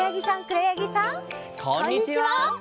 こんにちは！